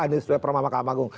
ini sesuai peramah mahkamah